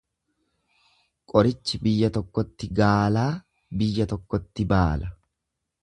Qorichi biyya tokkotti gaalaa biyya tokkotti baala.